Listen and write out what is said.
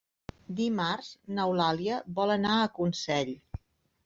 Dimarts n'Eulàlia vol anar a Consell.